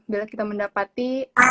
bila kita mendapati